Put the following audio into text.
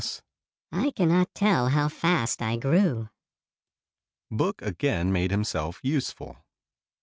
"I can not tell how fast I grew." Book again made himself useful.